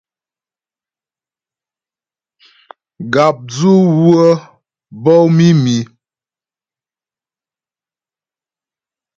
Gàpdzʉ wə́ bǒ mǐmi.